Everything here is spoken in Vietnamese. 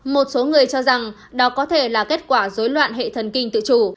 một số người cho rằng đó có thể là kết quả dối loạn hệ thần kinh tự chủ